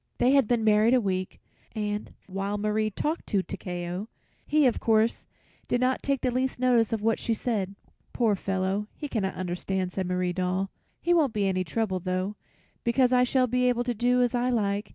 They had been married a week, and, while Marie talked to Takeo, he, of course, did not take the least notice of what she said. "Poor fellow, he cannot understand," said Marie Doll. "He won't be any trouble, though, because I shall be able to do as I like.